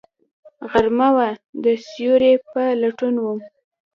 غرمه وه، د سیوری په لټون وم